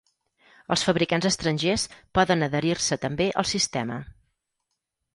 Els fabricants estrangers poden adherir-se també al sistema.